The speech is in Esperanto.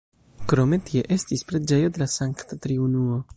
Krome tie estis preĝejo de la Sankta Triunuo.